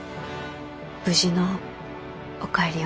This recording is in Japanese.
無事のお帰りを。